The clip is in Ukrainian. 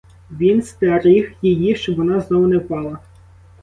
Він стеріг її, щоб вона знову не впала.